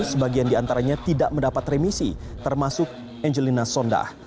sebagian di antaranya tidak mendapat remisi termasuk angelina sondah